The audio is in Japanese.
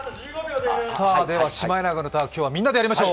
「シマエナガの歌」、今日はみんなでやりましょう。